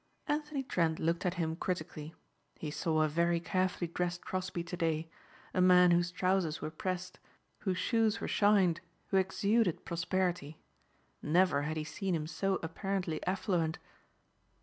Anthony Trent looked at him critically. He saw a very carefully dressed Crosbeigh to day, a man whose trousers were pressed, whose shoes were shined, who exuded prosperity. Never had he seen him so apparently affluent.